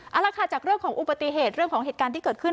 เอาละค่ะจากเรื่องของอุบัติเหตุเรื่องของเหตุการณ์ที่เกิดขึ้น